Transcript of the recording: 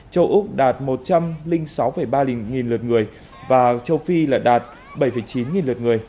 châu úc đạt một trăm linh sáu ba nghìn lượt người và châu phi là đạt bảy chín nghìn lượt người